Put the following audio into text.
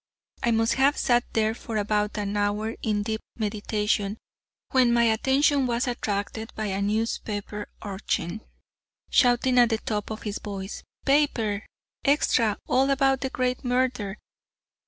I must have sat there for about an hour in deep meditation, when my attention was attracted by a newspaper urchin, shouting at the top of his voice: "Paper! Extra! All about the great murder."